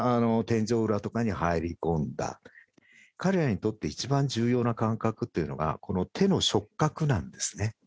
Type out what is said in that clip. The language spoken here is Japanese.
天井裏とかに入り込んだ彼らにとって一番重要な感覚っていうのがこの手の触覚なんですね